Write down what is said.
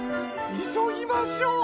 いそぎましょ！